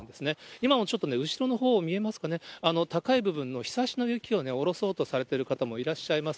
今もちょっと後ろのほう、見えますかね、あの高い部分のひさしの雪を下ろそうとされている方もいらっしゃいます。